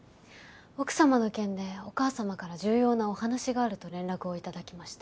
奥様の件でお母様から重要なお話があると連絡をいただきまして。